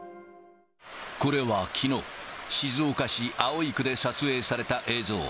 これはきのう、静岡市葵区で撮影された映像。